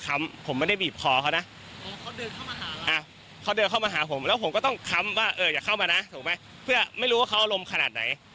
เขาเดินเข้ามาหาผมแล้วผมก็ต้องค้ำว่าอย่าเข้ามานะถูกไหมเพื่อไม่รู้ว่าเขาอารมณ์ขนาดไหน